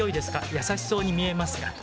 優しそうに見えますが。